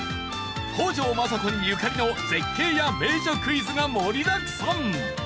北条政子にゆかりの絶景や名所クイズが盛りだくさん！